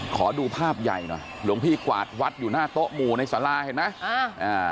ขอดูภาพใหญ่หน่อยหลวงพี่กวาดวัดอยู่หน้าโต๊ะหมู่ในสาราเห็นไหมอ่า